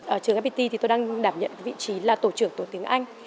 ở trường fpt thì tôi đang đảm nhận vị trí là tổ trưởng tổ tiếng anh